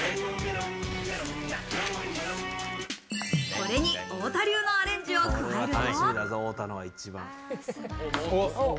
これに太田流のアレンジを加えると。